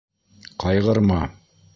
Ҡайғырма.